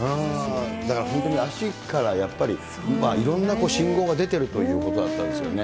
だから本当に足からやっぱり、いろんな信号が出てるということだったんですよね。